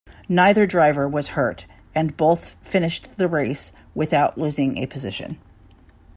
Neither driver was hurt and both finished the race without losing a position.